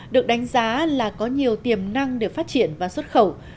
được đánh giá là có nhiều tiềm năng để phát triển và xuất khẩu